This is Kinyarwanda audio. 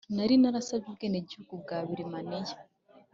nari narasabye ubwenegihugu bwa Birimaniya